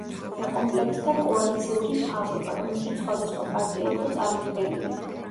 დაკომპლექტდა კოალიციური მთავრობა, რომელშიც სხვადასხვა პარტია იყო წარმოდგენილი.